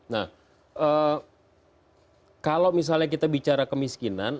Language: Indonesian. nah kalau misalnya kita bicara kemiskinan